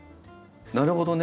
なるほどね。